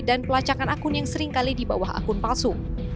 dan pelacakan akun yang seringkali di bawah akun palsu